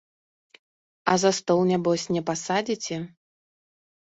А за стол нябось не пасадзіце?